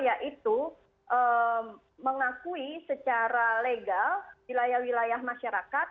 yaitu mengakui secara legal wilayah wilayah masyarakat